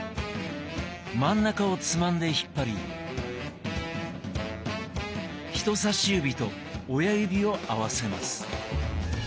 真ん中をつまんで引っ張り人さし指と親指を合わせます。